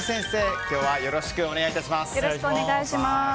今日はよろしくお願いいたします。